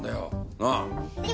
なあ？